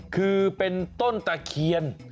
คือเป็นต้นตะเคียน